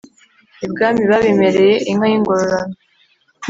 ibwami babimpereye inka y'ingororano